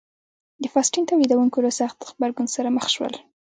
د فاسټین تولیدوونکو له سخت غبرګون سره مخ شول.